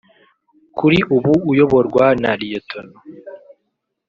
kuri ubu uyoborwa na Lt